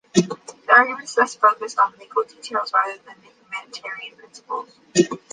The arguments thus focused on legal details rather than humanitarian principles.